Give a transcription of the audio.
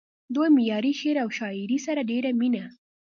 دوي معياري شعر و شاعرۍ سره ډېره مينه